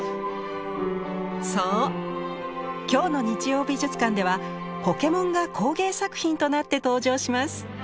そう今日の「日曜美術館」ではポケモンが工芸作品となって登場します。